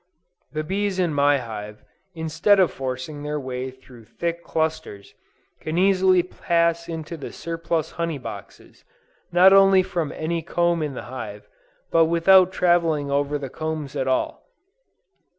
The bees in my hive, instead of forcing their way through thick clusters, can easily pass into the surplus honey boxes, not only from any comb in the hive, but without traveling over the combs at all.